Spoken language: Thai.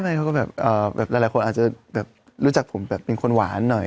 เขาก็แบบหลายคนอาจจะแบบรู้จักผมแบบเป็นคนหวานหน่อย